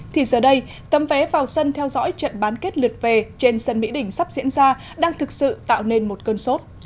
thì giờ đây tấm vé vào sân theo dõi trận bán kết lượt về trên sân mỹ đình sắp diễn ra đang thực sự tạo nên một cơn sốt